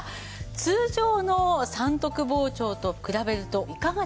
通常の三徳包丁と比べるといかがでしょうか？